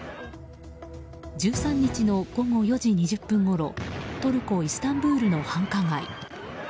１３日の午後４時２０分ごろトルコ・イスタンブールの繁華街。